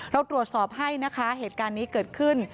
เราตรวจสอบให้นะคะเหตุการณ์นี้เกิดขึ้น